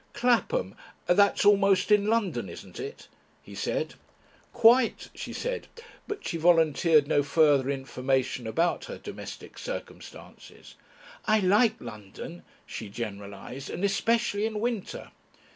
"Clapham that's almost in London, isn't it?" he said. "Quite," she said, but she volunteered no further information about her domestic circumstances, "I like London," she generalised, "and especially in winter."